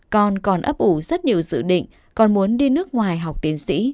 con còn ấp ủ rất nhiều dự định còn muốn đi nước ngoài học tiến sĩ